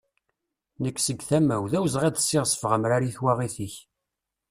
Nek, seg tama-w, d awezɣi ad siɣzefeɣ amrar i twaɣit-ik.